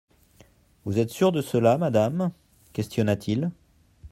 «Vous êtes sûre de cela, madame ?» questionna-t-il.